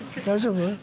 大丈夫？